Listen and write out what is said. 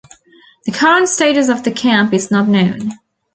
The current status of the camp is not known.